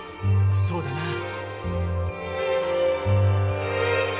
そうだな。